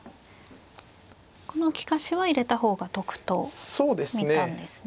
この利かしは入れた方が得と見たんですね。